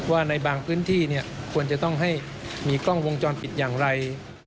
ว่าในบางพื้นที่ควรจะต้องให้มีกล้องวงจรปิดอย่างไร